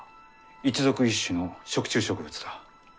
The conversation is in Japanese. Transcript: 一属一種の食虫植物だ。